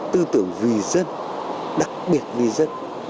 tư tưởng vì dân đặc biệt vì dân